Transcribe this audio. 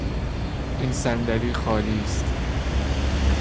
این صندلی خالی است.